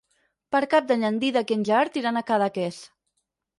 Per Cap d'Any en Dídac i en Gerard iran a Cadaqués.